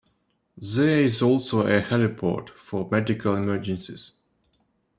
There is also a heliport for medical emergencies.